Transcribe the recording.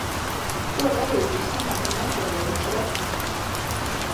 Ko darīt, ja saņemta nepareiza prece?